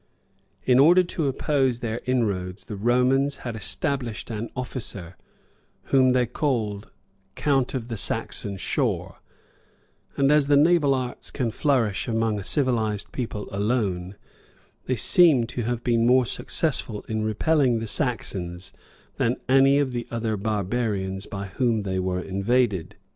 7] In order to oppose their inroads, the Romans had established an officer, whom they called "Count of the Saxon shore;" and as the naval arts can flourish among a civilized people alone, they seem to have been more successful in repelling the Saxons than any of the other barbarians by whom they were invaded.